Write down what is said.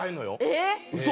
えっ！？